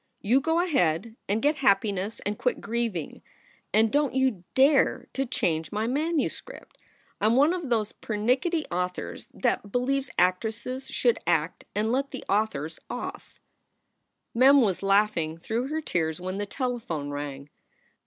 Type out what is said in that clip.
You go ahead and get happiness and quit grieving. And don t you dare to change my manuscript. I m one of those pernickety authors that believe actresses should act and let the authors auth." SOULS FOR SALE 21 Mem was laughing through her tears when the telephone rang.